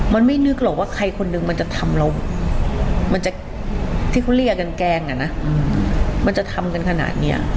มันไม่นึกหรอกว่าใครคนหนึ่งมันจะทำเรามันจะที่เขาเรียกกันแกล้งอ่ะนะมันจะทำกันขนาดนี้